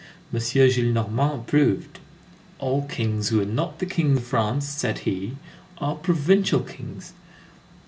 M. Gillenormand approved: "All kings who are not the King of France," said he, "are provincial kings."